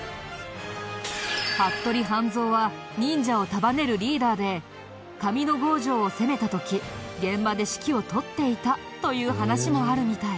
服部半蔵は忍者を束ねるリーダーで上ノ郷城を攻めた時現場で指揮を執っていたという話もあるみたい。